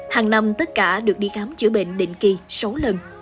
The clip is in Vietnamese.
hàng năm tất cả được đi khám chữa bệnh định kỳ sáu lần